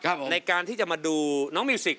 ในการที่จะมาดูน้องมิวสิก